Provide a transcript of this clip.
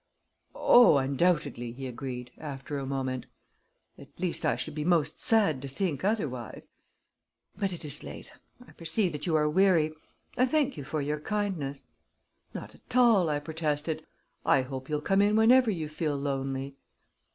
"Oh, undoubtedly," he agreed, after a moment; "at least, I should be most sad to think otherwise. But it is late; I perceive that you are weary; I thank you for your kindness." "Not at all," I protested. "I hope you'll come in whenever you feel lonely."